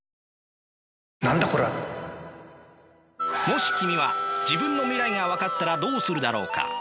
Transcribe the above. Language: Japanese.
もし君は自分の未来が分かったらどうするだろうか？